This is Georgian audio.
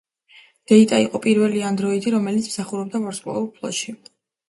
დეიტა იყო პირველი ანდროიდი რომელიც მსახურობდა ვარსკვლავურ ფლოტში.